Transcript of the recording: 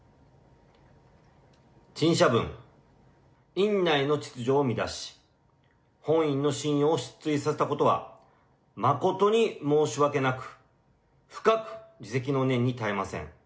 院内の秩序を乱し本院の信用を失墜させたことは誠に申し訳なく深く自責の念に堪えません。